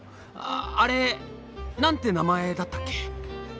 アレ何て名前だったっけ。